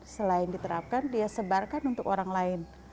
selain diterapkan dia sebarkan untuk orang lain